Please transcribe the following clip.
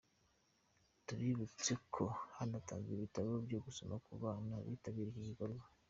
Tubibutse ko hanatanzwe ibitabo byo gusoma ku bana bitabiriye iki gikorwa.